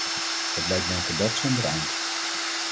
Het lijkt wel een gebed zonder eind.